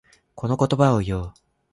この言葉を言おう。